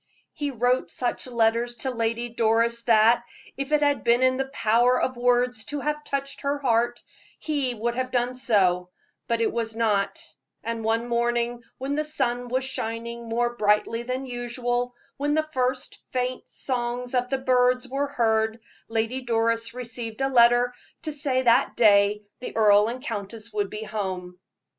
He wrote such letters to Lady Doris that, if it had been in the power of words to have touched her heart, his would have done so; but it was not; and one morning, when the sun was shining more brightly than usual, when the first faint song of the birds was heard, Lady Doris received a letter to say that day the earl and countess would be at home.